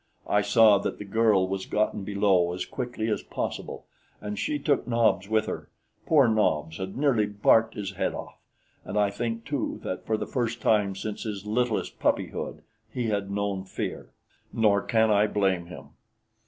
I saw that the girl was gotten below as quickly as possible, and she took Nobs with her poor Nobs had nearly barked his head off; and I think, too, that for the first time since his littlest puppyhood he had known fear; nor can I blame him.